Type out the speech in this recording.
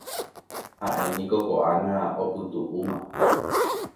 ha'éniko ko'ág̃a opytu'ũma